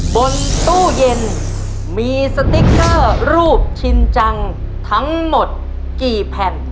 บนตู้เย็นมีสติ๊กเกอร์รูปชินจังทั้งหมดกี่แผ่น